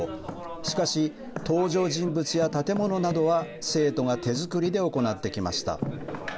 しかし、登場人物や建物などは生徒が手作りで行ってきました。